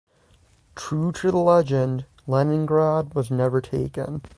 True to the legend, Leningrad was never taken.